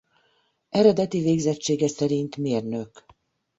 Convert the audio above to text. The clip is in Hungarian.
Eredeti végzettsége szerint mérnök.